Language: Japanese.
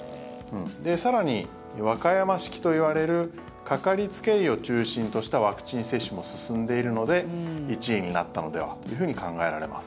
更に、和歌山式といわれるかかりつけ医を中心としたワクチン接種も進んでいるので１位になったのではというふうに考えられます。